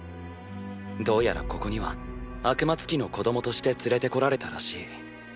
どうやらここには悪魔憑きの子供として連れてこられたらしい。